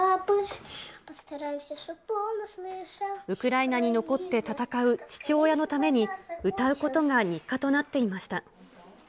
ウクライナに残って戦う父親のために歌うことが日課となっていました。